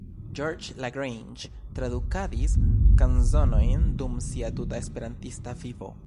Georges Lagrange tradukadis kanzonojn dum sia tuta Esperantista vivo.